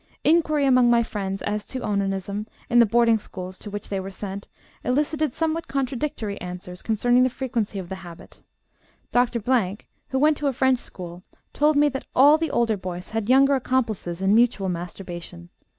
Inquiry among my friends as to onanism in the boarding schools to which they were sent, elicited somewhat contradictory answers concerning the frequency of the habit. Dr. , who went to a French school, told me that all the older boys had younger accomplices in mutual masturbation.